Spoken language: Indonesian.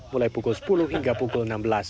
mulai pukul sepuluh hingga pukul enam belas